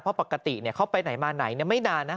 เพราะปกติเขาไปไหนมาไหนไม่นานนะ